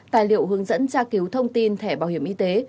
tài liệu hướng dẫn tra cứu thông tin thẻ bảo hiểm y tế